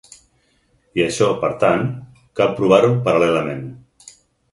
I això, per tant, cal provar-ho paral·lelament.